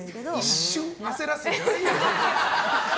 一瞬、焦らすの何。